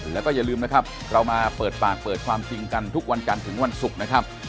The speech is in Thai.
แล้วก็อย่าลืมนะครับเรามาเปิดปากเปิดความจริงกันทุกวันกันถึงวันศุกร์นะครับ